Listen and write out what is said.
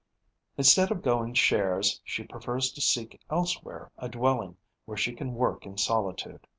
Instead of going shares, she prefers to seek elsewhere a dwelling where she can work in solitude.